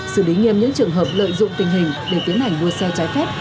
xử lý nghiêm những trường hợp lợi dụng tình hình để tiến hành đua xe trái phép